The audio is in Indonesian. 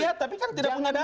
iya tapi kan tidak punya dana